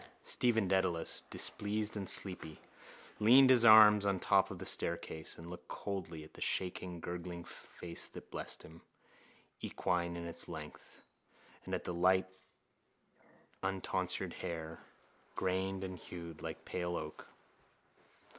Stephen Dedalus, displeased and sleepy, leaned his arms on the top of the staircase and looked coldly at the shaking gurgling face that blessed him, equine in its length, and at the light untonsured hair, grained and hued like pale oak.